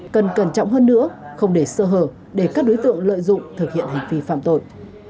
cần cẩn trọng hơn nữa không để sơ hở để các đối tượng lợi dụng thực hiện hành vi phạm tội